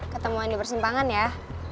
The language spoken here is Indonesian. ketemuan di persimpangan ya